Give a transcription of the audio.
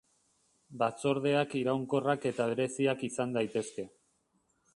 Batzordeak iraunkorrak eta bereziak izan daitezke.